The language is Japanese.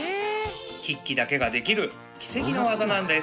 キッキだけができる奇跡の技なんです